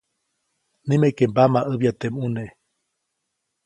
Nimeke mbamaʼäbya teʼ ʼmune.